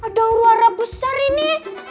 ada uara besar ini